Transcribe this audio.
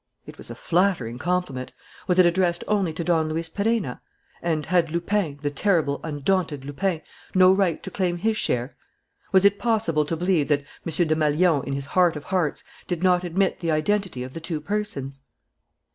It was a flattering compliment. Was it addressed only to Don Luis Perenna? And had Lupin, the terrible, undaunted Lupin, no right to claim his share? Was it possible to believe that M. Desmalions, in his heart of hearts, did not admit the identity of the two persons?